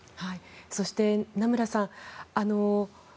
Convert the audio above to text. そして、名村さん